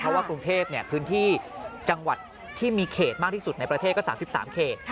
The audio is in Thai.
เพราะว่ากรุงเทพพื้นที่จังหวัดที่มีเขตมากที่สุดในประเทศก็๓๓เขต